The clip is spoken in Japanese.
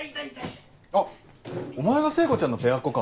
あっお前が聖子ちゃんのペアっ子か。